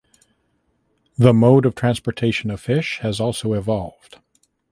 The mode of transportation of fish has also evolved.